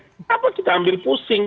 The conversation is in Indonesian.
kenapa kita ambil pusing